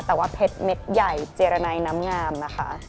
แต่ว่าเพชรเม็ดใหญ่เจรนัยน้ำงามนะคะ